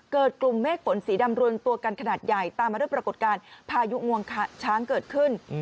กลุ่มเมฆฝนสีดำรวมตัวกันขนาดใหญ่ตามมาด้วยปรากฏการณ์พายุงวงช้างเกิดขึ้น